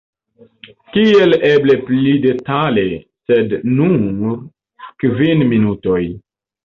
Kiel eble pli detale, sed en nur kvin minutoj.